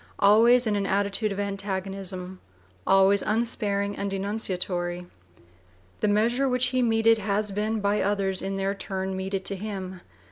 vii) always in an attitude of antagonism, always unsparing and denunciatory. The measure which he meted has been by others in their turn meted to him.